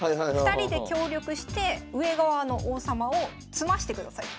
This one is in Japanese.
２人で協力して上側の王様を詰ましてください。